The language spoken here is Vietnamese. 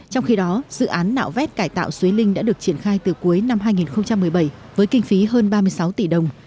trong khi đó dự án nạo vét cải tạo suối linh đã được triển khai từ cuối năm hai nghìn một mươi bảy với kinh phí hơn ba mươi sáu tỷ đồng